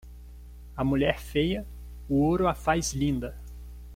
A mulher feia, o ouro a faz linda.